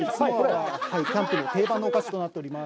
キャンプの定番のお菓子となっています。